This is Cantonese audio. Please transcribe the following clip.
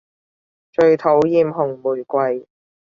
最討厭紅玫瑰